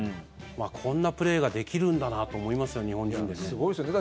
こんなプレーができるんだなと思いますよ、日本人でね。